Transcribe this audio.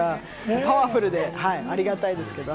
パワフルで、ありがたいですけれども。